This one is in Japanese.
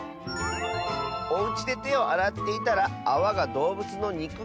「おうちでてをあらっていたらあわがどうぶつのにく